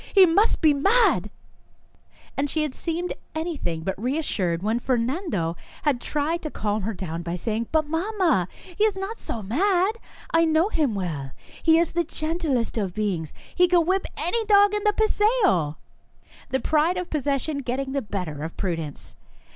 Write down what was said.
He must be mad !" and she had seemed anything but reassured when Fernando had tried to calm her by saying :" But, mamma, he is not mad ; I know him well ; he is the gentlest of beings, and he can School days 1 7 whip any dog in the paseo y " the pride of pos session getting the better of prudence.